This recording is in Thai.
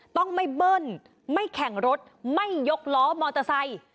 ต้องไม่เบิ้ลไม่แข่งรถไม่ยกล้อมอเตอร์ไซค์